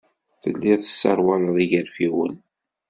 Telliḍ tesserwaleḍ igerfiwen.